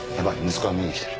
息子が見に来てる。